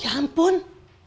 ya disanggup sanggupin